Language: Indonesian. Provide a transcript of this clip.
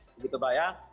begitu mbak ya